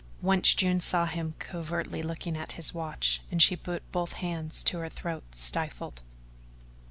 Once June saw him covertly looking at his watch and she put both hands to her throat stifled.